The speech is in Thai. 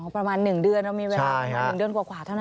อ๋อประมาณ๑เดือนแล้วมีเวลา๑เดือนกว่าขวาเท่านั้นเอง